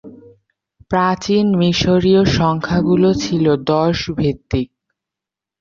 প্রাচীন মিশরীয় সংখ্যাগুলো ছিল দশ ভিত্তিক।